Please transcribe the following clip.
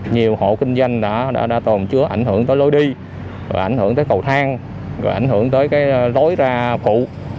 nhiều hộ kinh doanh đã tồn chứa ảnh hưởng tới lối đi ảnh hưởng tới cầu thang ảnh hưởng tới lối ra phụ